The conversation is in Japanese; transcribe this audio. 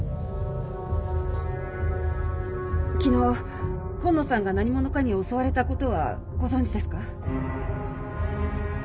昨日今野さんが何者かに襲われた事はご存じですか？